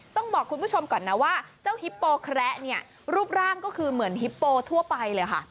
ต้องบอกคุณผู้ชมก่อนนะว่าเจ้าฮิปโปแคระเนี่ยรูปร่างก็คือเหมือนฮิปโปทั่วไปเลยค่ะ